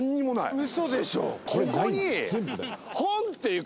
「ウソでしょ！？」